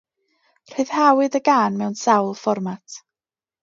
Rhyddhawyd y gân mewn sawl fformat.